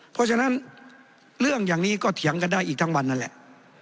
เพราะฉะนั้นเรื่องอย่างนี้ก็เถียงกันได้อีกทั้งวันนั่นแหละ